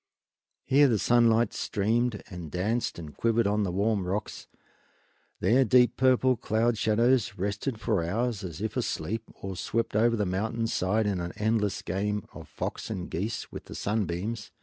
Here the sunlight streamed and danced and quivered on the warm rocks; there deep purple cloud shadows rested for hours, as if asleep, or swept over the mountain side in an endless game of fox and geese with the sunbeams.